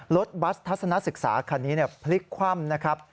รถบัสทัศนศึกษาคันนี้พลิกคว่ำนะครับ